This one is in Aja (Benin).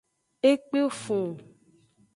E kpefun.